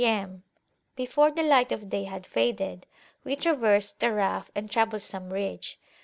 M., before the light of day had faded, we traversed a rough and troublesome ridge.